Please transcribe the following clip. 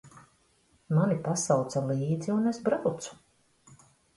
Mani pasauca līdzi, un es braucu.